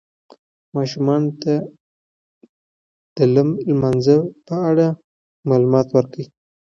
ماشومانو ته د لم لمانځه په اړه معلومات ورکړئ.